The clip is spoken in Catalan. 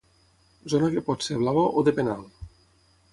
Zona que pot ser blava o de penal.